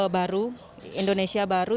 baru indonesia baru